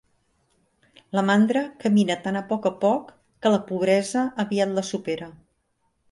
La mandra camina tan a poc a poc que la pobresa aviat la supera.